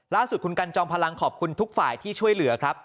ล่าสุดคุณกันจอมพลังขอบคุณทุกฝ่ายที่ช่วยเหลือครับ